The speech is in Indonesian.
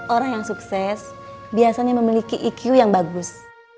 orang yang sukses biasanya memiliki iq yang bagus